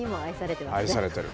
愛されてる。